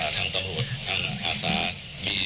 ทางตำรวจทางอาสา